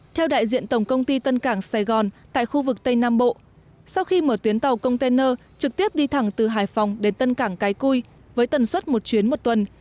theo đại diện tổng công ty tân cảng sài gòn tại khu vực tây nam bộ sau khi mở tuyến tàu container trực tiếp đi thẳng từ hải phòng đến tân cảng cái cui với tần suất một chuyến một tuần